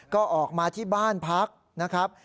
ก็ออกมาที่บ้านพักนะครับ